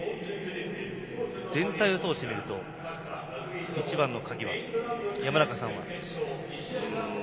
全体を通して見ると一番の鍵は、山中さんは？